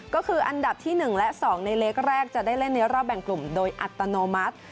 ก็คืออันดับที่๑และ๒ในเล็กแรกจะได้เล่นในรอบแบ่งกลุ่มโดยอัตโนมัติ